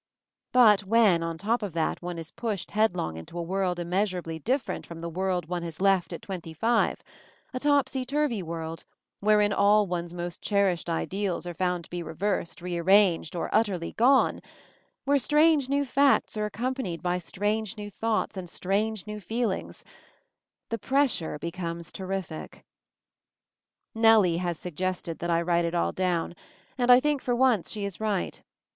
But when on top of that, one is pushed MOVING THE MOUNTAIN 11 headlong into a world immeasurably differ ent from the world one has left at twenty five — a topsy turvy world, wherein all one's most cherished ideals are found to be re versed, rearranged, or utterly gone; where strange new facts are accompanied by strange new thoughts and strange new feel ings — the pressure becomes terrific, Nellie has suggested that I write it down, and I think for once she is right.